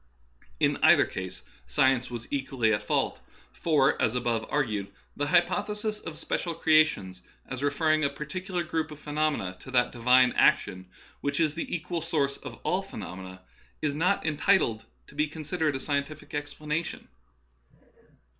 In either case science was equally at fault ; for, as above argued, the hypothesis of special creations, as re ferring a particular group of phenomena to that Divine action which is the equal source of all phe nomena, is not entitled to be considered a scien tific explanation.